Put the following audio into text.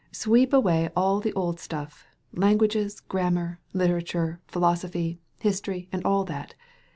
Sweep away all the old stuflP — Slanguages, grammar, literature, philosophy, history, and all that.